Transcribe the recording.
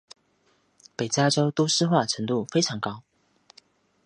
北加州都市化程度非常高。